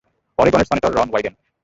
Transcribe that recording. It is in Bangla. অরেগনের সিনেটর রন ওয়াইডেন।